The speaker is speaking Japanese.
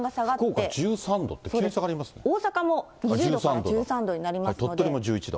福岡１３度って、大阪も２０度から１３度にな鳥取も１１度。